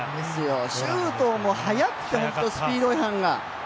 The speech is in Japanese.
周東も速くてスピード違反が。